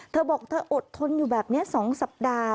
เธอบอกเธออดทนอยู่แบบนี้๒สัปดาห์